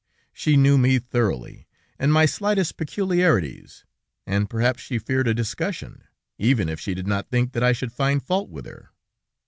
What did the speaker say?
She knew me thoroughly, and my slightest peculiarities, and perhaps she feared a discussion, even if she did not think that I should find fault with her.